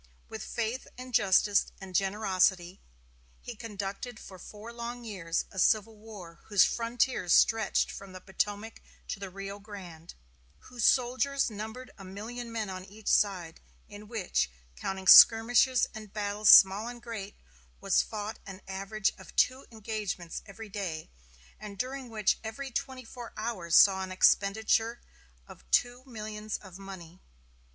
With faith and justice and generosity he conducted for four long years a civil war whose frontiers stretched from the Potomac to the Rio Grande; whose soldiers numbered a million men on each side; in which, counting skirmishes and battles small and great, was fought an average of two engagements every day; and during which every twenty four hours saw an expenditure of two millions of money.